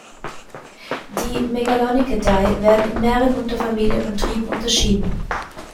Die Megalonychidae werden in mehrere Unterfamilien und Triben unterschieden.